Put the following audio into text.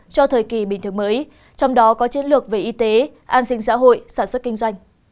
cho thời kỳ bình thường mới trong đó có chiến lược về y tế an sinh xã hội sản xuất kinh doanh